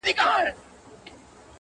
شعور او لاشعور نزدې والی ولري